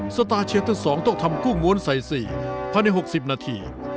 สตาร์เชฟทั้ง๒ต้องทำกุ้งว้นใส่สี่พันธุ์๖๐นาที